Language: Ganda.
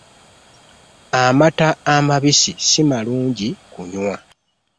Amata amabisi si malungi kunywa.